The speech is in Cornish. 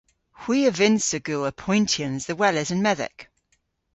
Hwi a vynnsa gul apoyntyans dhe weles an medhek.